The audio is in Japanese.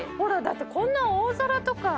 だってこんな大皿とか」